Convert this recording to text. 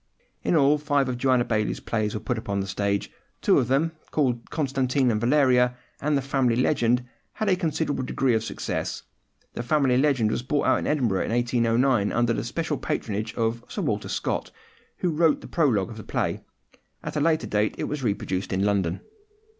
In all, five of Joanna Baillie's plays were put upon the stage—two of them, called Constantine and Valeria and The Family Legend, had a considerable degree of success. The Family Legend was brought out in Edinburgh in 1809, under the special patronage of Sir Walter Scott, who wrote the prologue of the play. At a later date it was reproduced in London.